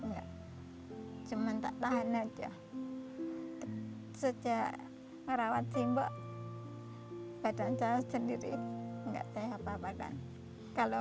enggak cuman tak tahan aja sejak merawat tembok badan saya sendiri enggak tahu apa apa kan kalau